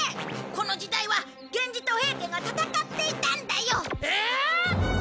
この時代は源氏と平家が戦っていたんだよ！ええーっ！？